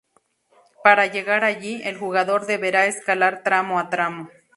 Para llegar allí, El jugador deberá escalar tramo a tramo.